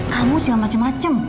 kamu jalan macem macem